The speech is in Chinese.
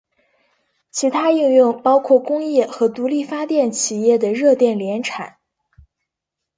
其他应用包括工业和独立发电企业的热电联产。